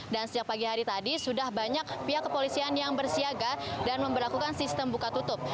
dan sejak pagi hari tadi sudah banyak pihak kepolisian yang bersiaga dan memperlakukan sistem buka tutup